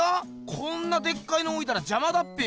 こんなでっかいのおいたらじゃまだっぺよ。